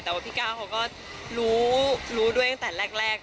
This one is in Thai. แต่ว่าพี่ก้าวเขาก็รู้ด้วยตั้งแต่แรก